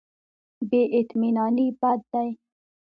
بې اطمیناني بد دی.